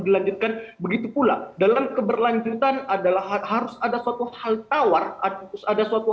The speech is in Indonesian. dilanjutkan begitu pula dalam keberlanjutan adalah harus ada suatu hal tawar ada suatu